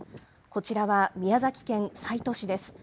こちらは宮崎県西都市です。